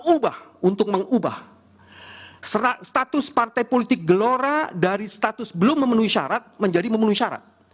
ubah untuk mengubah status partai politik gelora dari status belum memenuhi syarat menjadi memenuhi syarat